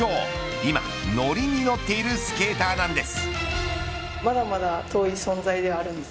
今、のりに乗っているスケーターなんです。